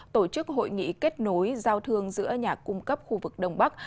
tổ chức hội nghị kết nối giao thương giữa nhà cung cấp khu vực đông bắc